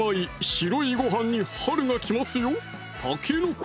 白いご飯に春が来ますよ